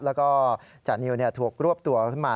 แล้วก็จานิวถูกรวบตัวขึ้นมา